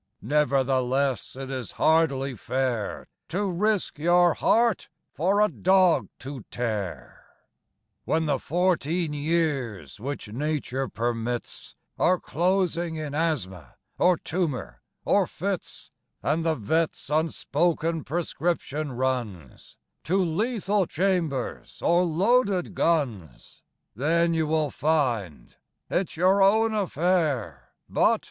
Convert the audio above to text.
Nevertheless it is hardly fair To risk your heart for a dog to tear. When the fourteen years which Nature permits Are closing in asthma, or tumour, or fits, And the vet's unspoken prescription runs To lethal chambers or loaded guns, Then you will find it's your own affair But...